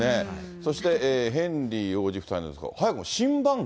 そしてヘンリー王子夫妻なんですが、早くも新番組？